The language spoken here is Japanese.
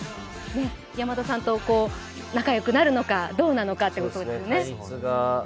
山田さんと仲良くなるのかどうなのかということですね。